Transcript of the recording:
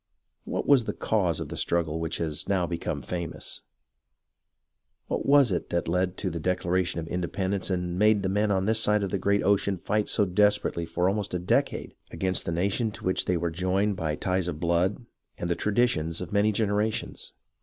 What was the cause of the struggle which has now become famous ? What was it that led to the Declaration of Inde pendence and made the men on this side of the great ocean fight so desperately for almost a decade against the nation to which they were joined by ties of blood and the traditions of many generations